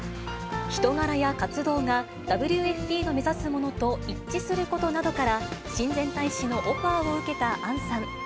人柄や活動が、ＷＦＰの目指すものと一致することなどから、親善大使のオファーを受けた杏さん。